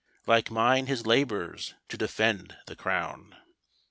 Like mine his labours, to defend the crown_.